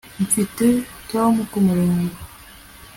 Mfite Tom kumurongo